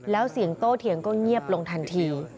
แล้วเสียงโตเถียงก็เงียบลงทันที